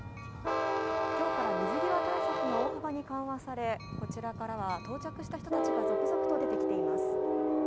今日から水際対策が大幅に緩和され、こちらからは、到着した人たちが続々と出てきています。